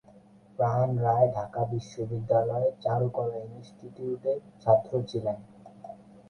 প্রাণ রায় ঢাকা বিশ্ববিদ্যালয়ের চারুকলা ইন্সটিটিউটের ছাত্র ছিলেন।